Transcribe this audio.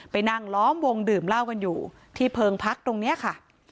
ไปนั่งล้อมวงดื่มเหล้ากันอยู่ที่เพิงพักตรงนี้ค่ะ